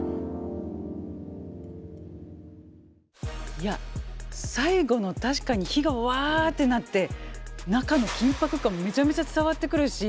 いや最後の確かに火がわってなって中の緊迫感めちゃめちゃ伝わってくるし。